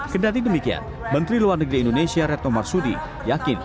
kedati demikian menteri luar negeri indonesia retno marsudi yakin